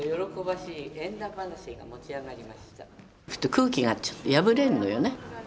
空気がちょっと破れるのよね。